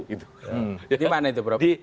di mana itu prof